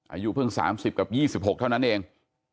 อายุเพิ่ง๓๐กับ๒๖เท่านั้นเอง